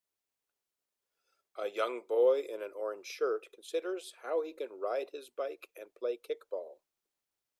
A young boy in an orange shirt considers how he can ride his bike and play kickball